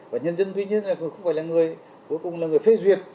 và nhân dân tuy nhiên cũng không phải là người cuối cùng là người phê duyệt